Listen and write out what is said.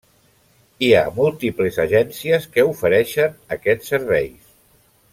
Hi ha múltiples agències que ofereixen aquests serveis.